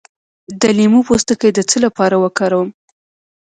د لیمو پوستکی د څه لپاره وکاروم؟